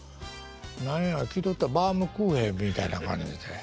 何や聞いとったらバームクーヘンみたいな感じで。